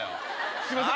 すいません。